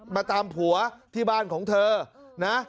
มาตามผัวที่บ้านของเธอนะ